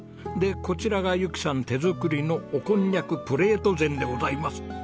でこちらが由紀さん手作りのおこんにゃくプレート膳でございます。